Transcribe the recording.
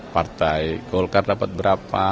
partai golkar dapat berapa